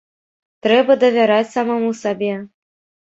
Трэба давяраць самаму сабе.